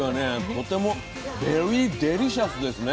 とてもベリーデリシャスですね。